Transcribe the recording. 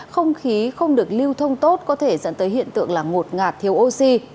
không khí không được lưu thông tốt có thể dẫn tới hiện tượng là ngột ngạt thiếu oxy